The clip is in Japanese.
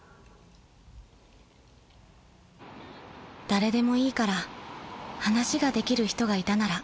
［誰でもいいから話ができる人がいたなら］